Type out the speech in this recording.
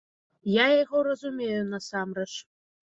Я яго разумею, насамрэч.